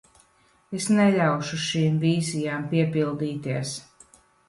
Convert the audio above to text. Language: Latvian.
Es neļaušu šīm vīzijām piepildīties.